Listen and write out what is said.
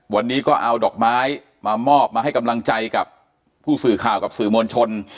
วันนี้ก็เอาดอกไม้มามอบมาให้กำลังใจกับผู้สื่อข่าวกับสื่อมวลชน